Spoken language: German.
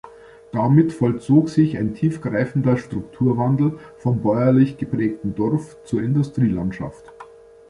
Damit vollzog sich ein tiefgreifender Strukturwandel vom bäuerlich geprägten Dorf zur Industrielandschaft.